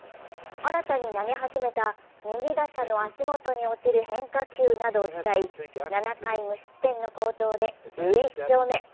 新たに投げ始めた右打者の足元に落ちる変化球などを使い、７回無失点の好投で１１勝目。